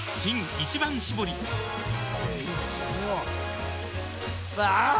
「一番搾り」あぁー！